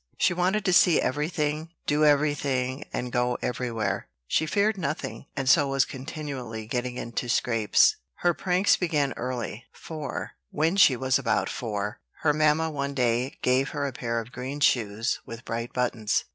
She wanted to see every thing, do every thing, and go every where: she feared nothing, and so was continually getting into scrapes. Her pranks began early; for, when she was about four, her mamma one day gave her a pair of green shoes with bright buttons.